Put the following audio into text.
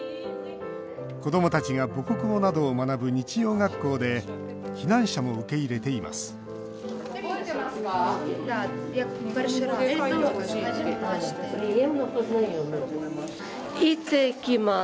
子どもたちが母国語などを学ぶ日曜学校で避難者も受け入れていますいってきます。